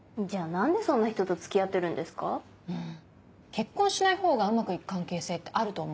結婚しない方がうまくいく関係性ってあると思うの。